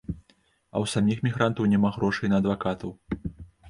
А ў саміх мігрантаў няма грошай на адвакатаў.